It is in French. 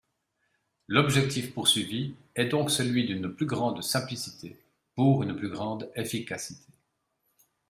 L’objectif poursuivi est donc celui d’une plus grande simplicité, pour une plus grande efficacité.